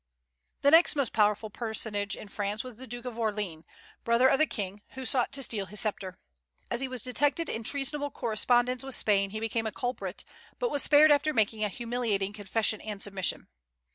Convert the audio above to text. The next most powerful personage in France was the Duke of Orleans, brother of the King, who sought to steal his sceptre. As he was detected in treasonable correspondence with Spain, he became a culprit, but was spared after making a humiliating confession and submission.